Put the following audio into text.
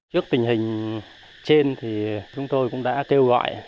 trước tình hình trên thì chúng tôi cũng đã kêu gọi